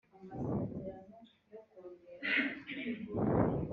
kikanagufasha kurwanya udukoko dutera indwara